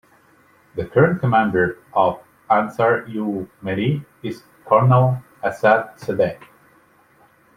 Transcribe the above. The current commander of Ansar-Ul-Mehdi is Colonel Asad Zadeh.